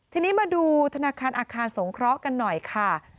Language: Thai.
ทีนี้มาดูธนาคารอาคารสงเคราะห์กันหน่อยค่ะ